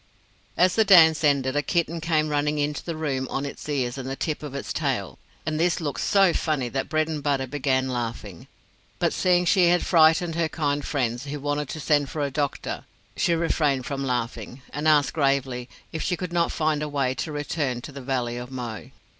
As the dance ended a kitten came running into the room on its ears and the tip of its tail, and this looked so funny that Bredenbutta began laughing. But seeing she had frightened her kind friends, who wanted to send for a doctor, she refrained from laughing, and asked, gravely, if she could not find a way to return to the Valley of Mo.